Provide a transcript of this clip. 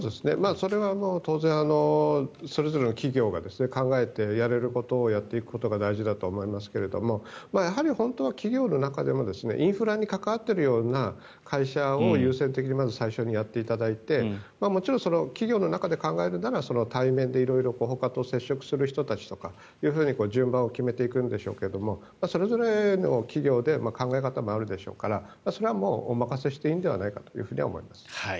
それは当然それぞれの企業が考えてやれることをやっていくことが大事だと思いますけれどやはり本当は企業の中でもインフラに関わっているような会社を優先的にまず最初にやっていただいてもちろん企業の中で考えるなら対面で色々、ほかと接触する人たちというように順番を決めていくんでしょうけれどもそれぞれの企業で考え方もあるでしょうからそれはもうお任せしていいのではないかと思います。